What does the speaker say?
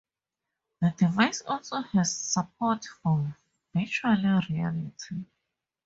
The device also has support for virtual reality.